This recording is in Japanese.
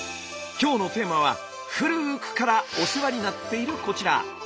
今日のテーマは古くからお世話になっているこちら。